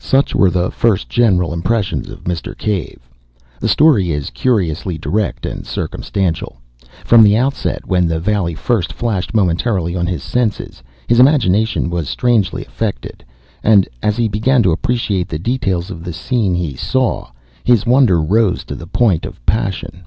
Such were the first general impressions of Mr. Cave. The story is curiously direct and circumstantial. From the outset, when the valley first flashed momentarily on his senses, his imagination was strangely affected, and, as he began to appreciate the details of the scene he saw, his wonder rose to the point of a passion.